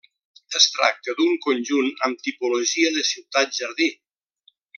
Es tracta d'un conjunt amb tipologia de ciutat jardí.